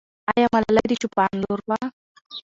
آیا ملالۍ د چوپان لور وه؟